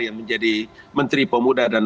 yang menjadi menteri pemuda dan